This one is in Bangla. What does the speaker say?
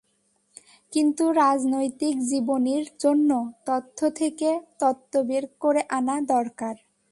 কিন্তু রাজনৈতিক জীবনীর জন্য তথ্য থেকে তত্ত্ব বের করে আনা দরকার।